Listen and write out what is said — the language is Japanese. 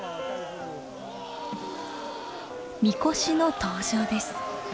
神輿の登場です。